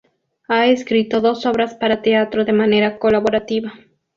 Ha escrito dos obras para teatro de manera colaborativa.